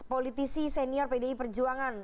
politik senior pdi perjuangan